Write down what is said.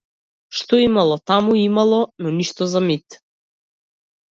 Што имало таму, имало, но ништо за мит.